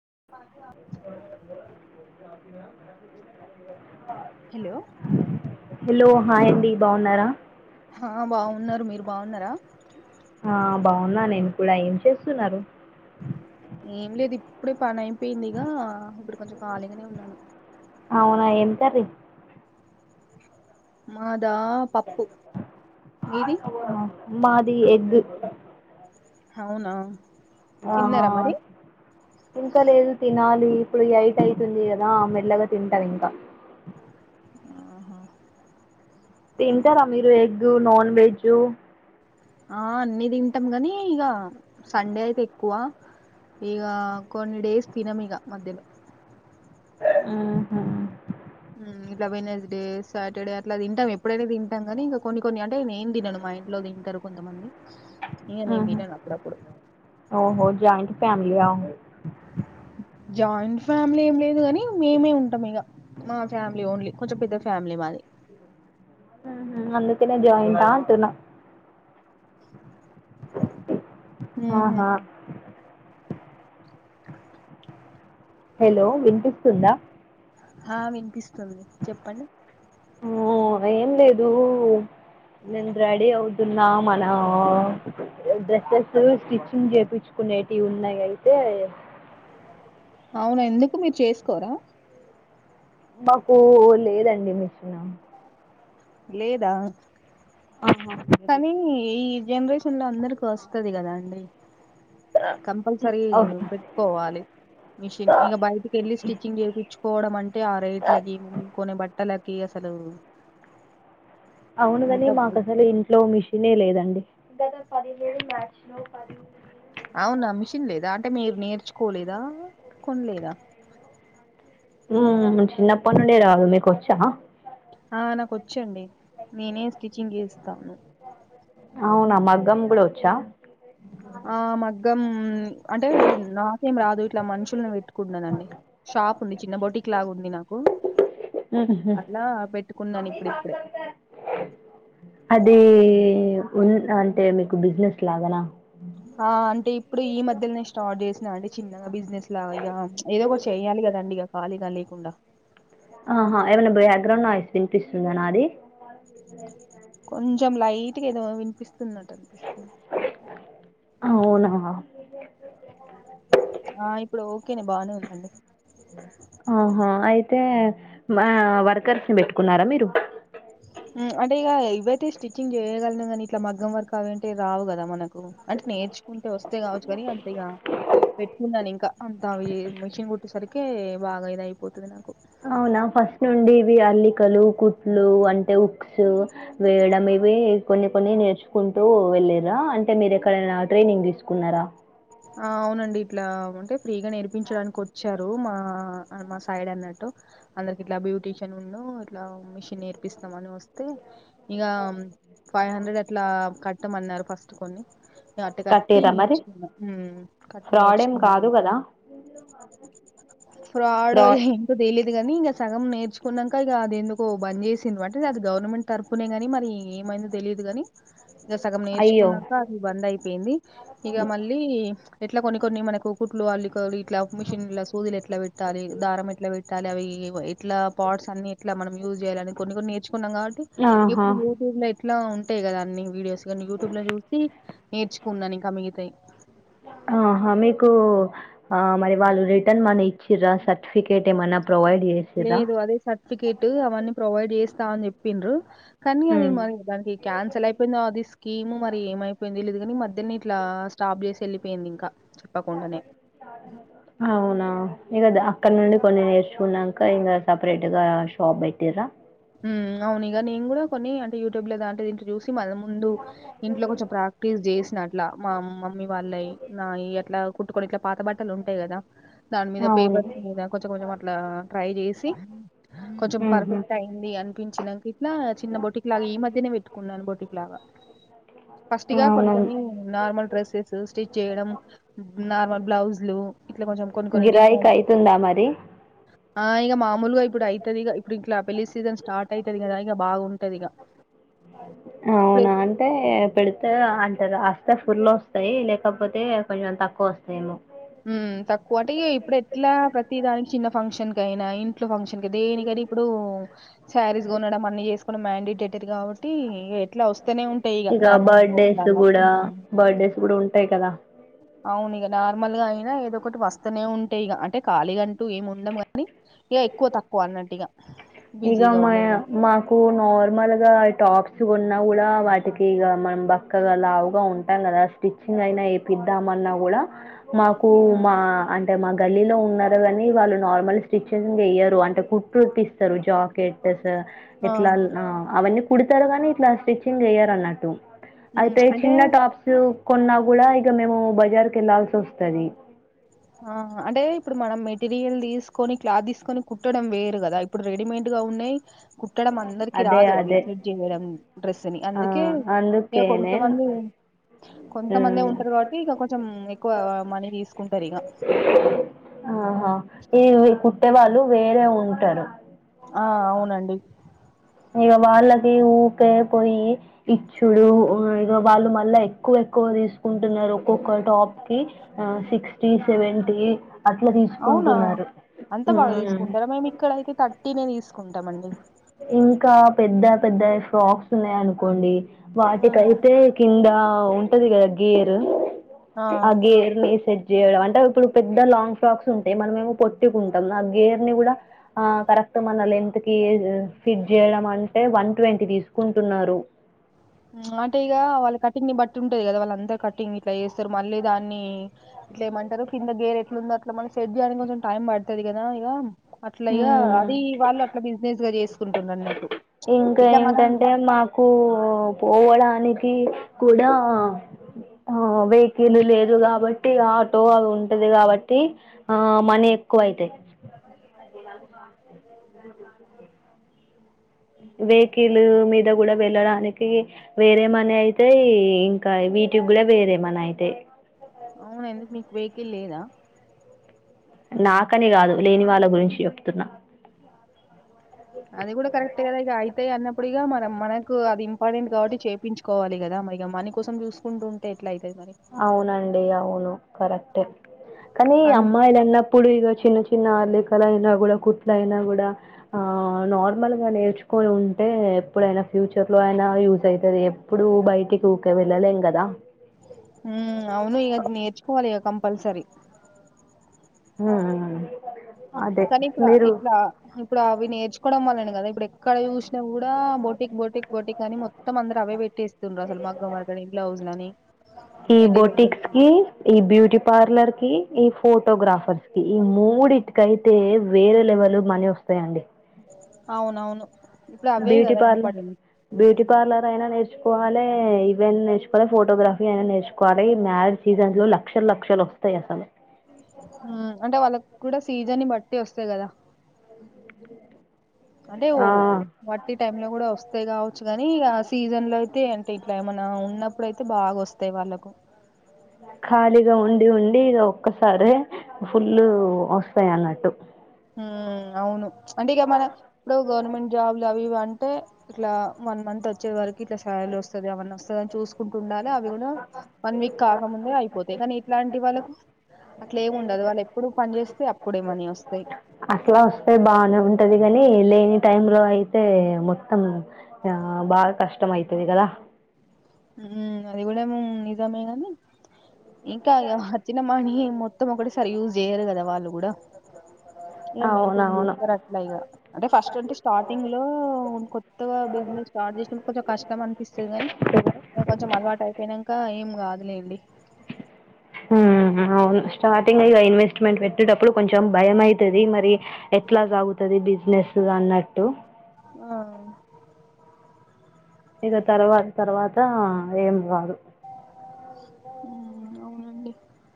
[unintelligible] Hello hello హాయండి బాగున్నారా ఆ బాగున్నారు మీరు బాగున్నారా ఆ బాగున్నా నేను కూడా ఏం చేస్తున్నారు ఏం లేదు ఇప్పుడే పనైపోయిందిగా ఇప్పుడు కొంచెం ఖాళీగానే ఉన్నాను అవునా ఏం కర్రీ మాదా పప్పు మీది మాది ఎగ్ అవునా ఆహా తిన్నారా మరి ఇంకా లేదు తిన ఇప్పుడు ఎయిట్ అయితుంది కదా ఆ మెల్లగా తింటాం ఇంకా ఆహా తింటారా మీరు ఎగ్ నాన్ వెజ్ ఆ అన్ని తింటాం కానీ ఇక సండే అయితే ఎక్కువ ఈగా కొన్ని డేస్ తినం ఇగ మధ్యలో ఊహ్మ్ ఇట్లా పోయి నెస్డే సాటర్డే అట్లా తింటాంప్పుడైనా తింటాం కాని ఇంకా కొన్ని కొన్ని అంటే నే ఏం తినన్నాను మా ఇంట్లో తింటారు కొంతమంది ఇగ నేను తినను అప్పుడప్పుడు ఓహో జయిట్ ఫైమలీయా జాయింట్ ఫ్యామిలీ ఏం లేదు గాని మేమే ఉంటాం ఇక మా ఫ్యామిలీ ఓన్లీ కొంచెం పెద్ద ఫ్యామిలీ మాది అందుకనే జాయింటంటున్న ఉహు ఆహా హలో విన్పిస్తుందా ఆ వినిపిస్తుంది చెప్పండి ఓ ఏంలేదు నం రెడీ అవుతున్న మన డ్రెస్సెస్ స్టిచ్చింగ్ చేయించుకునేటివి ఉన్నాయి అయితే అవునా ఎందుకు మీరు చేసుకోరా నాకు లేదండి మెషిను లేదా ఆహా లేదు కానీ ఈ జనరేషన్ లో అందరికి వస్తుది కదా అండి కంపల్సరీ పెట్టుకోవాలి మిషన్ ఇంక బయటికి వెళ్ళి స్టిచ్చింగ్ చేయిించుకోవడం అంటే ఆ రేట్ల మనం కొనే బట్టల కే అసలు అవునుగాని అంత మాకు అసలు ఇంట్లో మిష నే లేదండి అవునా మిషన్ లేదా అంటే మీరు నేర్చుకోలేదా కొనలేదా ఉ చిన్నప్పటి నుండి రాదు మీకు వచ్చా ఆనకొచ్చండి నేనే స్టిచ్చింగ్ చేస్తాను అవునా మగ్గం కూడా వచ్చా ఆ మగ్గం అంటే ఇం నాకేమ్ రాదు ఇట్లా మనుచుల్లను వేట్టుకున్నానండి షాప్ ఉంది చిన్న బోటిక్ లాగ ఉంది నాకు అట్లా పేట్ అదీ ఏయావ్ ఉన్ అంటే మీకు బిజినెస్ లాగానా ఆ అంటే ఇప్పుడు ఈ మధ్యల్నే స్టార్ట్ జేశిన అండి చిన్నగా బిజినెస్ ఇట్లా ఇగ చ్ ఏదో ఒకట్ చెయ్యాలి కదండి ఇగ ఖాళీగా లేకుండా ఆహా ఏమనా బ్యాగ్రౌండ్ నాయిస్ ఇనిపిస్తుంద నాది కొంచమ్ లైట్ గా ఏదో విన్పిస్తునట ఔనా ఆ ఇప్పుడు ఓకేనే బానే ఉందండి ఆహా ఐతే మ్య వర్కర్స్ ని బెట్టుకున్నారా మీరు అంటే ఇగ ఇవైతే స్టిచ్చింగ్ చేయగల్ గానీ ఇట్లా మగ్గం వర్క్ అవి అంటే రావు కదా మనక్ క్ అంటే నేర్చుకుంటే వస్తే గావచ్చు గనీ అంతే ఇగా పెట్టుకున్నా నిమ్ క అంత అవి ఈ మిషన్ గుట్టు సరికే బాగా ఇదైపోతుంది నాకు ఔనా ఫస్ట్ నుండి ఇవి అల్లికలు కుట్లు అంటే ఉక్స్ వేయడమ్ ఇవి కొన్ని కొన్ని నేర్చుకుంటూ వెళ్ళిరా అంటే మీరు ఎక్కడైనా ట్రేనింగ్ దిసుకున్నర ఆ ఔనండి ఇట్లా ఉంటే ఫ్రీగా నేర్పించడానికి వచ్చారు మా మా సైడ్ అన్నట్టు ఊ అందరికి ఇట్లా బ్యూటీషన్ ఉన్ను ఇట్లా మిషన్ నేర్పిస్తాం అని వోస్తే ఇగామ్ ఫై హండ్రెడ్ అట్లా కట్టమన్నారు ఫస్టు కొన్ని అట్ట కట్టి నేర్చుకున్నామ్ ఫ్రాడెమ్ కాదు గదా ఫ్రాడో ఏంటో దేలీద్ గని ఇంక సగం నేర్చుకునంక ఇగ అది ఎందుకో బంజేసిండ్రు అంటే అది గౌర్నమెంట్ తరఫునేగానీ మరి ఎమ్ మంద్ తెలిదు గాని సగం అయ్యో నేర్చుకున్నాక అది బంద్ ఐపేయింది ఇగ మళ్ళీ ఎట్లా కొన్ని కొన్ని మనకు కుట్లు అల్లికలు ఇట్లా మిషన్లా సూదులు ఎట్లా వేట్టాలి దారం ఎట్లా వేట్టాలి అవి ఎవో ఇట్లా పాట్స్ అన్ని ఎట్లా మనం యూజ్ చేయాలని కొన్ని కొన్ని నేర్చుకున్నాం గావాట్టి ఆహా ఇప్పుడు యూట్యూబ్ ల ఎట్లోన్ టై కదా అన్ని వీడియోస్ గానీ యూటూబ్ ల జూసి నేర్చుకున్నా ఇంకా మిగితాయ్ ఆహా మీకు ఆ మరి వాళ్ళు రిటర్న్ మనీ ఇచ్చిరా సర్టిఫికేట్ ఏమన్నా ప్రొవైడ్ చేసిర్రా లేదు అదే సర్టిఫికేట్ అవన్నీ ప్రొవైడ్ జేస్తా అన్ జేప్పిండ్రు కానీ అది ఉమ్. మరి దానికి క్యాన్సల్ ఐపేయిందిో అది స్కీము మరి ఏమైపైయిందో దేలీదు గాని మర్ ద్దని ఇట్లా స్టాప్ చేసి ఏళ్ళిపేయింది ఇంకా చెప్పకుండానే ఔనా ఇగ దా అక్కడ్ నుండి కొన్ని నేర్చుకూనంక ఇంగ సపరేట్ గా షాప్ బెట్టిరా ఉమ్ ఔనిగ నేన్ గూడా కొన్ని అంటే యూట్యూబ్ ల దాంట్లో దింట్లో జూస్ మళ్ళా ముందు ఇంట్లో కొంచెం ప్రాక్టీస్ జేస్నా అట్లా మా మమ్మీ వాలైయ్ నాయి అట్లా కుట్టుకోని ఇట్ల పాత బట్టల్ ఉంటాయ్ గదా దాని మీద అవును పేపర్స్ మీద కొచకొచమ్ అట్లా ట్రై జెసి కొంచెం పర్ ఉహు ఫెక్ట్ హిం ది అన్ పించ్ నంక్ ఇట్లా చిన్న బొటిక్ లాగా ఈ మధ్యనే వేట్టుకున్నాను బొటిక్ లాగా ఫస్ట్ ఇగ కొన్ని అవునవును కొన్ని నార్మల్ డ్రెస్సెసు స్టిచేయడం నార్మల్ బ్లౌజ్లు ఇట్లా కొంచెం కొన్ని కొన్ని గిరాయిక్ డిజైన్ ఐతుందా మరి ఆ ఇగ మామూలుగా ఇప్పుడు ఐతది ఇగ ఇప్పుడు ఇట్ల పెళ్లి సీజన్స్ స్టార్ట్ ఐతది కదా ఇగ బాఉంటది ఇగ ఇప్పుడు ఔనా అంటే పెడతద అన్ రాస్తే ఫులోస్తాయ్ లేకపోతే కొంజమ్ తక్కువోస్తాయేమో హ్మ్ తక్కువ అంటే ఇప్పుడు ఎట్లా ప్రతి దానికి చిన్న ఫంక్షన్ కైనా ఇంట్లో ఫంక్షన్ కి దేనికైనా కూడ ఇప్పుడు సారీస్స్ కొనడం అన్ని చే మ్యాండిటేటర్ కాబట్టి ఇట్లా వస్తేనే ఉంటాయి ఇక నార్మల్ బ్లౌజ లాన్నా టై కదా అవును ఇక నార్మల్ గా అయినా ఏదో ఒకటి వస్తనే ఉంటే ఇక అంటే ఖాళీ అంటూ ఏం ఉండం కానీ ఇక ఎక్కువ తక్కువ అన్నట్టుగా నిజమే మాకు నార్మల్ గా ఇ టాప్స్ కొ న్నా కూడా వాటికి ఇ మనం బక్కగా లావుగా ఉంటాం కదా స్టిచ్చింగ్ అయినా ఏపిద్దామన్నా కూడా మాకు ఉమ్. మా అంటే మా గల్లీలో ఉన్నారు కానీ వాళ్ళు నార్మల్ స్టర్చింగ్ చేయరు అంటే కుట్టుటిస్తారు అంటే జాకెటసు ఇట్లా ఆహా అవ్వని కుడతారు గానీ ఇట్లా స్టిచ్చింగ్ చేయ్యారు అన్నట్టు ఉమ్ అయితే అంటే చిన్న టాప్స్ కొన్నా కూడా ఇక మేము బజార్కి వెళ్ళాల్సొతది ఆహా అంటే ఇప్పుడు మనం మే మెటీరియల్ తీసుకొని క్లాత్ తీసుకొని కుట్టడం వేరు కదా ఇప్పుడు రెడీమేడ్ గా ఉన్నాయి కుట్టడం అందరికి అదే రాదు అదే అవిసెట్ చేయడం డ్రెస్ని అందుకే ఇక అందుకనే కొంతమంది కొంతమందే ఉంటారు కాబట్టి ఇక కొంచెం ఎక్కువ మనీ తీసుకుంటారు ఇక ఆహా ఈ కుుట్టే వాళ్ళు వేరే ఉంటారు ఆ అవునండి ఇక వాళ్ళకి ఊకే పోయి ఇచ్చుడు ఇక వాళ్ళు మళ్ళా ఎక్కువ ఎక్కువ తీసుకుంటున్నారు ఒక్కొకల్ టాప్కి సిక్స్ టి సేవేంటీ అట్లా అవునా తీసుకుంటున్నారు అంత బాగా హ్మ్ తీసుకుంటారా మేము ఇక్కడ అయితే థర్టీనేే తీసుకుంటాం అండి ఇంకా పెద్ద పెద్ద షాప్స్ ఉన్నాయ అనుకోండి ఆ వాటికైతే కింద ఉంటది కదా గేరు ఆ గేర్ని ఎస్డ్ చేయడం అంటే ఇప్పుడు పెద్ద లాంగ్ ఫ్రాక్స్ ఉంటాయి మన మేము పొట్టికుంటాం గేర్ ని కూడా కరెక్ట్ మన లెంత్ కి ఫిట్ చేయడం అంటే వన్ ట్వంటీ తీసుకుంటున్నారు ఆట ఈగ వాళ్ళ కట్టింగ్ని బట్ ట్ంటది కదా వాళ్ళు అంతా కటింగ్ ఇట్లా చేేస్తారు మళ్ళీ దాన్ని ఇట్లా ఏమంటారు కింద గేర్ ఎట్లు ఉందో అట్లా మళ్ సెట్ చేయాలంటే టైమ్ట్డుతాదిదా ఇక అట్లగా మ్మ్ అది వాళ్ళు అట్లా బిజినెస్ గా చేసుకుంటునరానట్టు ఇంకా ఏంటంటే నాకు పోవడానికి కూడా ఆ వెహికల్ లేదు కాబట్టి ఆటో అవి ఉంటది కాబట్టి ఆ మనీ ఎక్కువ ఐతాయి [unintelligible] వెహకిల్ మీద కూడా వెళ్ళడానికి వేరే మనీ అయితే అయితే ఇంకా వీటికి కూడా వేరేమనా అయితే అవున ఎందుకు మీకు వెహికల్ లేదా నాకని కాదు లేని వాళ్ళ గురించి చెప్తున్నా అది కూడా కరక్ట్ అద ఈ అయితేయి అన్న ఇప్పుడుగా మనం మనకు అది ఇంపార్టెంట్ కాబట్టి చేయించుకోవాలి కదా ఇక మనీ కోసం చూసుకుంటుంటే ఎట్లా అయి అవునండి అవును కరెక్టే కానీ అన్ అమ్మాయిలు అన్నప్పుడు ఇగో చిన్న చి చిన్న ఆర్లికల అయినా కూడా కుట్ల అయినా కూడా ఆ నార్మల్ గా నేర్చుకొని ఉంటే ఎప్పుడైనా ఫ్యూచర్ లో అయినా యూజ్ అవుతుంది ఎప్పుడు బయటికి ఊరికే వెళ్ళలేం కదా ఉమ్ అవును ఇగ నేర్చుకోవాలి ఇగ కంపల్సరీ ఉహూ కానీ ఇప్పుడ ఇట్లా ఇప్పుడు అవి నేర్చుకోవడం వల్లనే కద ఇప్పుడు ఎక్కడ చూసినా కూడా బోటిక్ బోటిక్ బోటిక్ కాని మొత్తం అందరు అవే పెట్టేస్తుండ్రు అసలు మగ్గం వర్కు అని బ్లౌజ్ లని ఈ మెటీరియల్ డ్రెస్. బొటిక్స్ కి ఈ బ్యూటీ పార్లర్ కి ఈ ఫోటోగ్రాఫర్స్ కి ఈ మూడింటికైతే వేరే లెవెల్ మనీ వస్తాయండి. అవునవును ఇప్పుడు అవే బ్యూటీ కదా పార్లర్ ఇంపార్టెంట్ బ్యూటీ పార్లర్ అయినా నేర్చ్ నేర్చుకోవాలె ఈవెంట్ నేర్చుకోవాలె ఫోటోగ్రఫీ ఐన నేర్చుకోవాలె మ్యారజ్ సీజన్లో లక్షల లక్షలు వస్తయ్ అసలు ఉమ్ అంటె వాళ్ళకు కూడ సీజన్ ని బట్టి అస్తయి కద అంటే ఓ ఆ వట్టి టైం లో కూడ వస్తాయ్ కావచ్చు కాని ఆ సీజన్ లో అయితే అంటే ఇట్ల ఏమన్న ఉన్నప్పుడు అయితే బాగ వస్తయ్ వాళ్ళలకు అ ఖాళీగ ఉండి ఉండి ఇల ఒక్కసారే ఫుల్ అస్తయి అన్నట్టు ఉమ్ అవును అంటే ఇగ మన ఇప్పుడు గవర్నమెంట్ జాబ్లు అవి ఇవి అన్ అంటే ఇట్లా వన్ మంత్ వచ్చే వరకు ఇట్ల సాలరి ఒస్తుది ఏమన్న అస్తదని చూసుక్ కుంటుండాలి అవి కూడ వన్ వీక్ కాకముందే అయిపోతాయి కాని ఇట్లాంటి వాళ్ళక్ అట్లే ఏమి ఉండదు వాళ్ళు ఎప్పుడు పని చేస్తే అప్పుడే మనీ వస్తయి అట్ల ఒస్తే బానే ఉంటది గని లేని టైమ్ లో అయితే మొత్తం ఇగ ఆ బాగ కష్టం అయితది కద ఉమ్ అది కూడ నిజమే గని ఇంకా అచ్చిన మని యే మొత్తం ఒకటె సారి యూజ్ చేయరు కద వాళ్ళు గుడ అ ఇక మెయింటైన్ చేస్తరు అట్ల ఇగ అంటే ఫస్ట్ అంటె స్టార్టింగ్ లో కొత్తగ బిజినెస్ స్టాట్ చేసుడు కొంచం కష్టం అనిపిస్తది గని ఇగ కొంచెం అలవాటు అయిపోయినంక ఏం కాదు లేండి ఉమ్మ్ అవును స్టార్టింగ్ ఎ ఇల ఇన్వెస్ట్మెంట్ పెట్టేటప్పుడు కొంచెం భయం అయితది మరి ఎట్ల సాగుతుది బిజినెస్ అన్నట్టు ఉమ్ ఇగ తర్వాత తర్వాత ఏం కాదు మ్ అవునండి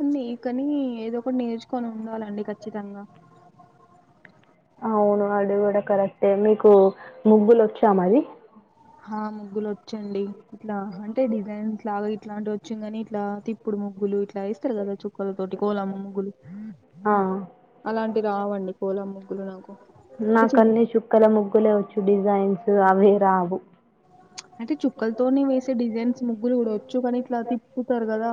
ఉంది కనీ ఏదో ఒకటి నేర్చుకొని ఉండాలండి ఖచ్చితంగ అవును అది కూడ కరెక్టే మీకు ముగ్గులు ఒచ్చా మరి ఆ ముగ్గులు ఒచ్చండి ఇట్ల అంటే డిజైన్స్ లాగ ఇట్లాంటి వచ్చు కాని ఇట్లా ఇప్పుడు తిప్పుడు ముగ్గులు ఇట్ల ఏస్తరు కద చు అలాంటివి రావండి కోలం ముగ్గులు ఆ అలాంటి రావండి కోలమ్ ముగ్గులు నాకు అంటే నాకు చిన్న అన్నీ చుక్కల ముగ్గులే ఒచ్చు డిజైన్స్ అనే రావు అంటే చుక్కలతోనే వేసే డిజైన్స్ ముగ్గులు కూడ వచ్చు కానీ ఇట్ల తిప్పుతరు కద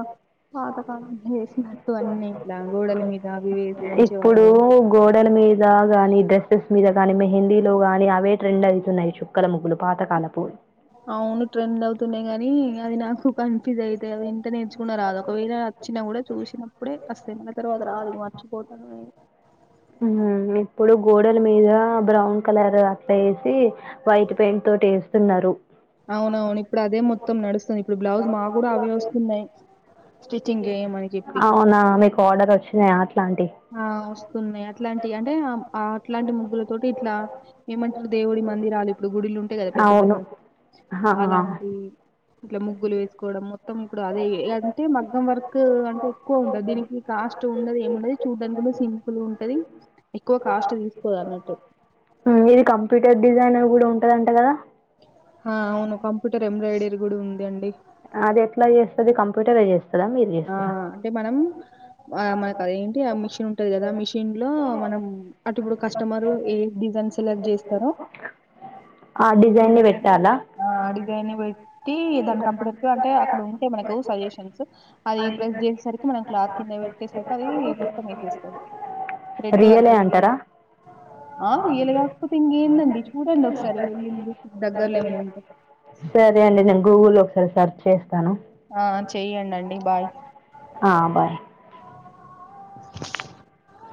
పాతకాలం వేసినట్టు అన్నీ ఇట్ల గోడల మీద అవి వేసి ఉంచేవాళ్ళు ఇప్పుడు కద గోడల మీద గానీ డ్రెస్సెస్సు ఇగ దాని మెహిందీ లే గాని అవే ట్రెండ్ అయితున్నయి చుక్కల ముగ్గులు పాతకాల పు అవును ట్రెండ్ అవుతున్నాయి గానీ. అది నాకు కన్ఫ్యూజ్ అయితే అది ఎంత నేర్చుకున్న రాదు ఒకవేళ వచ్చినా కూడా చూసిన. అప్పుడే కాసేపైన తర్వాత రాదు మర్చిపోతాను నేను. ఇప్పుడు గోడల మీద బ్రౌన్ కలర్ అట్లా వేసి వైట్ పెయింట్ తో. తో వేస్తున్నారు. అవునవును ఇప్పుడు అదే మొత్తం నడుస్తుంది ఇప్పుడు బ్లౌజ్ మాకు కూడా అవే వస్తున్నాయి. స్టిచ్చింగ్ చేయమని చెప్పి అవునా మీకు. ఆర్డర్ వచ్చినాయా అట్లాంటి ఆహ్ వస్తున్నాయి అట్లాంటి అంటే అట్లాంటి ముగ్గులతోటి ఇట్లా ఏమంటారు. దేవుడి మందిరాలు. ఇప్పుడు గుడిలు ఉంటాయి కదా పెద్ద అవును పెద్దవి ఆ. అలాంటివి ఇట్లా ముగ్గులు వేసుకోవడం మొత్తం. మొత్తం ఇప్పుడు అదే అంటే మగ్గం వర్క్ అంటే ఎక్కువ ఉంటది దీనికి కాస్ట్ ఉండదు ఏముండదు. దానికి కూడా సింపుల్ ఉంటది ఎక్కువ కాస్ట్ తీసుకోరు అన్నట్టు. హ్మ్ ఇది కంప్యూటర్ డిజైనర్ కూడా ఉంటదంట కదా. ఆహ్ అవును కంప్యూటర్ ఎంబ్రాయిడరీ కూడా ఉంది అండి. అది ఎట్లా చేస్తది కంప్యూటరే చేస్తదా మీరు ఆ చేస్తారా. అంటే మనం ఆహ్ మనకు అదేంటి ఆ మిషన్ ఉంటది కదా మిషన్ లో మనం అటుప. కస్టమర్ ఏ డిజైన్ సెలెక్ట్ చేస్తారో. ఆ ఏ డిజైన్ని డిజైన్ పెట్టాలా ఆహ్ డిజైన్ పెట్టి దాని కంప్యూటర్. అంటే అక్కడ ఉంటాయి మనకు సజెషన్స్. అది ప్రెస్ చేసేసరికి మనం క్లాత్ కింద పెట్టేసరికి అది మొత్తం వేసేస్తది. త్రేడ్డు రియలే వర్కు ఆహ్ ఏ. అంటరా ఆహ్ రియల్ కాకపోతే ఇంకేందండి చూడండి ఒకసారి వెళ్ళి మీరు దగ్గరలో ఏమన్నా ఉంటే. సరే అండి నేను గూగుల్ లో ఒక సారి సర్ ఆహ్ చెయ్యడండి బాయ్. ఆ బాయ్ ఆహ్.